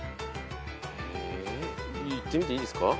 いってみていいですか？